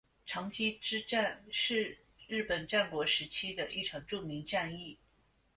长筱之战是是日本战国时期的一场著名战役。